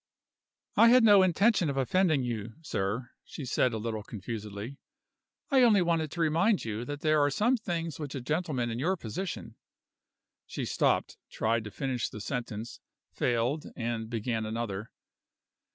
"I had no intention of offending you, sir," she said, a little confusedly. "I only wanted to remind you that there are some things which a gentleman in your position " She stopped, tried to finish the sentence, failed, and began another.